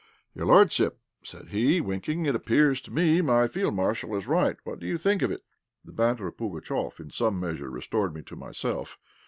your lordship," said he, winking, "it appears to me my field marshal is right. What do you think of it?" The banter of Pugatchéf in some measure restored me to myself.